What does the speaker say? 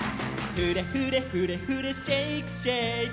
「フレフレフレフレシェイクシェイク」